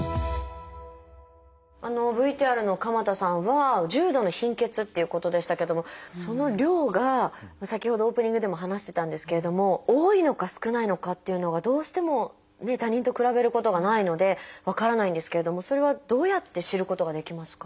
ＶＴＲの鎌田さんは重度の貧血っていうことでしたけどもその量が先ほどオープニングでも話してたんですけれども多いのか少ないのかっていうのがどうしてもね他人と比べることがないので分からないんですけれどもそれはどうやって知ることができますか？